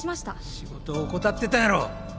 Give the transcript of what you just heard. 仕事を怠ってたんやろ？